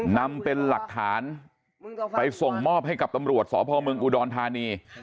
นำเป็นหลักฐานไปส่งมอบให้กับตำรวจสพเมืองอุดรธานี